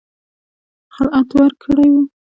خلعت ورکړی وو.